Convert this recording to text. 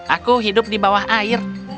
aku hidup di bawah air